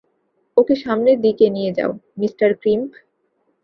ওকে সামনে দিকে নিয়ে যাও, মিস্টার ক্রিস্প!